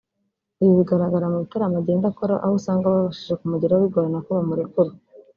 ibi bigaragarira mu bitaramo agenda akora aho usanga ababashije kumugeraho bigorana ko bamurekura